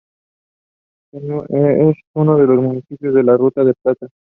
Es uno de los municipios de la Ruta de la Plata.